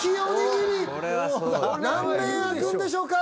何面あくんでしょうか！